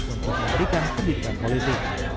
untuk memberikan pendidikan politik